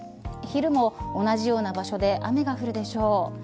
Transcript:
昼も同じような場所で雨が降るでしょう。